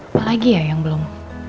apalagi ya yang belum